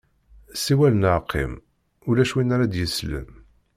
Siwel neɣ qim, ulac win ara d-yeslen.